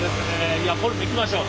いやこれもいきましょう！